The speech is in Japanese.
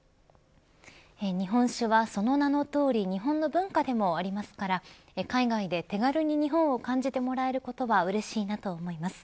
日本酒はその名のとおり日本の文化でもありますから海外で手軽に日本を感じてもらえることはうれしいなと思います。